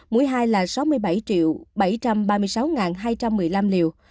mũi hai là sáu mươi bảy bảy trăm ba mươi sáu hai trăm một mươi năm liều